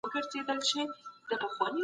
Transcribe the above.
هغه زیاته کړه چي وطن زموږ د نیکونو میراث دی.